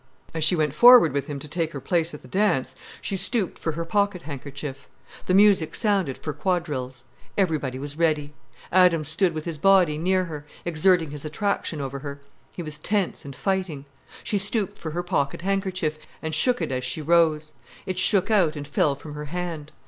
As she went forward with him to take her place at the dance, she stooped for her pocket handkerchief. The music sounded for quadrilles. Everybody was ready. Adams stood with his body near her, exerting his attraction over her. He was tense and fighting. She stooped for her pocket handkerchief, and shook it as she rose. It shook out and fell from her hand.